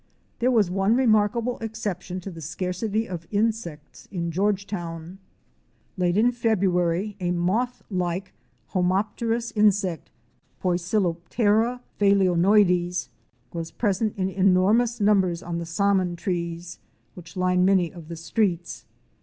There was one remarkable exception to the scarcity of insects in Georgetown. Late in February, a moth like Homopterus insect, Poeciloptera phalaenoides, was present in enormous numbers on the Saman trees which line many of the streets.